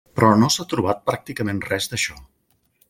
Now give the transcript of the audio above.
Però no s'ha trobat pràcticament res d'això.